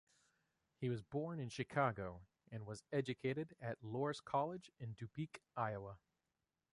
He was born in Chicago, and was educated at Loras College in Dubuque, Iowa.